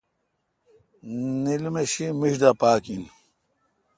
نیلومہشی میݭ دا پاک این